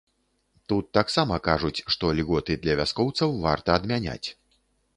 Тут таксама кажуць, што льготы для вяскоўцаў варта адмяняць.